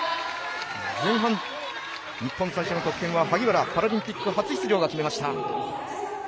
前半、日本最初の得点は萩原パラリンピック初出場が決めました。